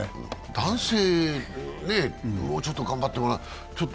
男性、もうちょっと頑張ってもらわないと。